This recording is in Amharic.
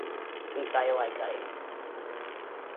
ትንሣኤው አይቀሬ ነው።